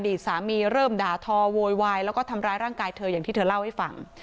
สามีเริ่มด่าทอโวยวายแล้วก็ทำร้ายร่างกายเธออย่างที่เธอเล่าให้ฟัง